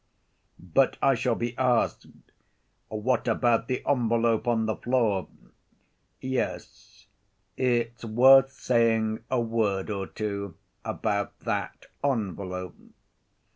"But I shall be asked: What about the envelope on the floor? Yes, it's worth saying a word or two about that envelope.